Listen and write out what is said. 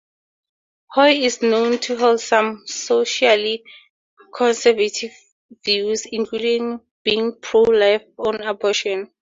Hoy is known to hold some socially conservative views, including being pro-life on abortion.